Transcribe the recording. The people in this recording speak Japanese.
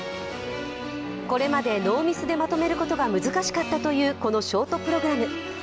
これまで、ノーミスでまとめることが難しかったというショートプログラム。